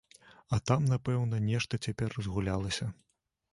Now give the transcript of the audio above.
А там, напэўна, нешта цяпер разгулялася.